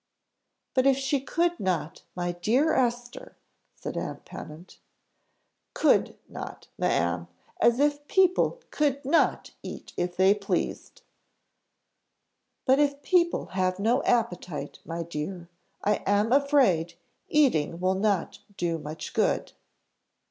"But if she could not, my dear Esther," said aunt Pennant. "Could not, ma'am! As if people could not eat if they pleased." "But if people have no appetite, my dear, I am afraid eating will not do much good."